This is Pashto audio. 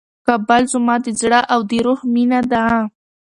کابل زما د زړه او د روح مېنه ده.